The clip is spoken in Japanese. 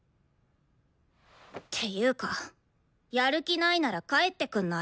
ていうかやる気ないなら帰ってくんない？